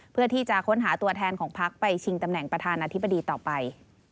เพื่อที่จะค้นหาตัวแทนของพักไปชิงตำแหน่งประธานาธิบดีต่อไป